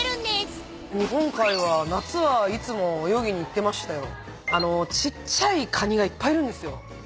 日本海は夏はいつも泳ぎに行ってましたよ。